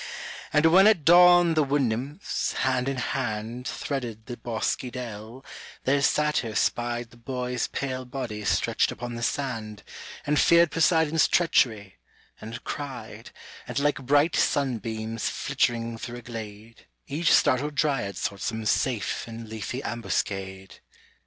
And when at dawn the woodnymphs, hand in hand, Threaded the bosky dell, their satyr spied The boy's pale body stretched upon the sand, And feared Poseidon's treachery, and cried, And like bright sunbeams flittering through a glade, Each startled Dryad sought some safe and leafy am buscade.